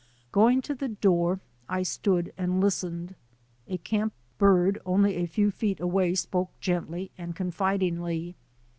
Going to the door I stood and listened. A camp ibird only a few feet away spoke gently and con ifidingly.